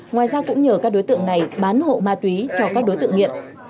ngoài ra cũng nhờ các đối tượng này bán hộ ma túy cho các đối tượng nghiện